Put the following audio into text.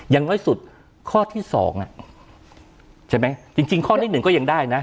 อย่างน้อยสุดข้อที่สองจริงข้อนิดหนึ่งก็ยังได้นะ